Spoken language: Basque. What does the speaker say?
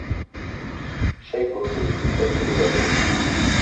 Sei puntu dituzte zurigorriek.